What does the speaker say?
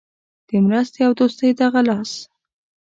د مرستې او دوستۍ دغه لاس.